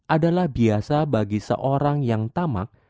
adalah biasa bagi seorang yang tamak